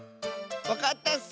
わかったッス！